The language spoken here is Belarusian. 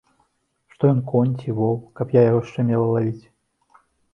Што ён, конь ці вол, каб я яго яшчэ мела лавіць?